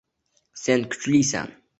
Sen kuchlisan!